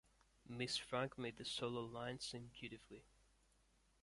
Miss Frank made the solo line sing beautifully.